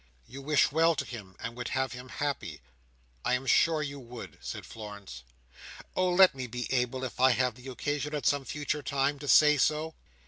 "You wish well to him, and would have him happy. I am sure you would!" said Florence. "Oh! let me be able, if I have the occasion at some future time, to say so?"